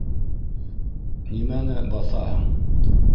Нимәне баҫаһың?